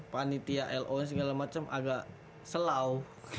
panitia lo segala macem agak selau